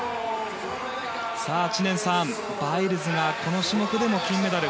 知念さん、バイルズがこの種目でも金メダル。